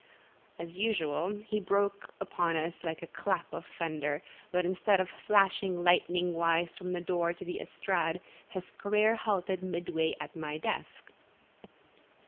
As usual he broke upon us like a clap of thunder; but instead of flashing lightning wise from the door to the estrade, his career halted midway at my desk.